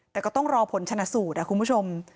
แต่ก็ต้องรอผลชนะสูตรคุณผู้ชม